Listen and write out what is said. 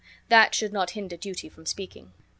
That should not hinder duty from speaking.